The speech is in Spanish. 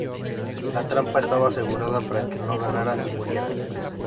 La trampa estaba asegurada para que no ganara y muriera.